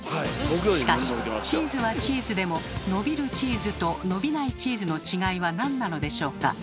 しかしチーズはチーズでも「伸びるチーズ」と「伸びないチーズ」の違いはなんなのでしょうか？